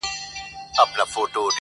• په رګو یې د حرص اور وي لګېدلی -